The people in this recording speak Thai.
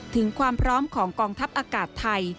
ถึงความพร้อมของกองทัพอากาศไทย